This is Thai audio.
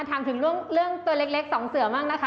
ถามถึงเรื่องตัวเล็กสองเสือบ้างนะคะ